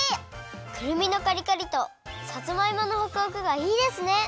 くるみのカリカリとさつまいものホクホクがいいですね！